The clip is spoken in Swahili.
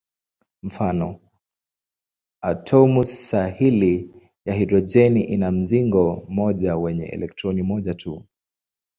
Mfano: atomu sahili ya hidrojeni ina mzingo mmoja wenye elektroni moja tu.